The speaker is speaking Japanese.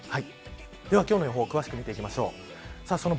では今日の予報詳しく見ていきましょう。